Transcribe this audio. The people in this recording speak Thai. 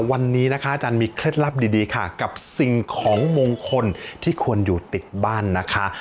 วันนี้นะคะอาจารย์มีเคล็ดลับดีค่ะกับสิ่งของมงคลที่ควรอยู่ติดบ้านนะคะ